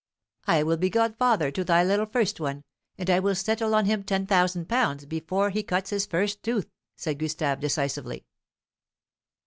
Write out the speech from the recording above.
"I will be godfather to thy little first one, and I will settle on him ten thousand pounds before he cuts his first tooth," said Gustave decisively.